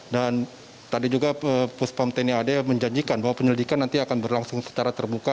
dan tadi juga puspam tni ad menjanjikan bahwa penyelidikan nanti akan berlangsung secara terbuka